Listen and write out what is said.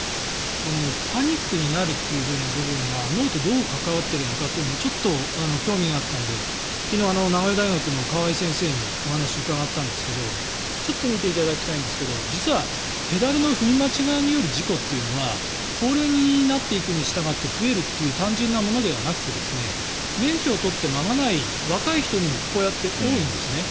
パニックになるという部分が脳とどう関わっているのかというところがちょっと興味があったので昨日、名古屋大学の川合先生にお話を伺ったんですがちょっと見ていただきたいんですが実はペダルの踏み間違いによる事故というのは高齢になるにしたがって増えるっていう単純なものではなくて免許を取って間がない若い人にもこうやって多いんですね。